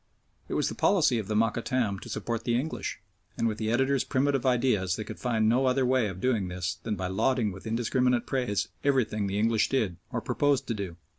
It was the policy of the Mokattam to support the English, and with the editors' primitive ideas they could find no other way of doing this than by lauding with indiscriminate praise everything the English did or proposed to do.